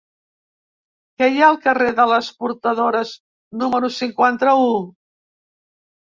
Què hi ha al carrer de les Portadores número cinquanta-u?